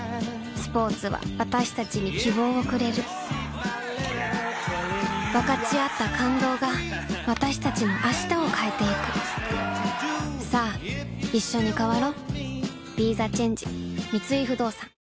スポーツは私たちに希望をくれる分かち合った感動が私たちの明日を変えてゆくさあいっしょに変わろう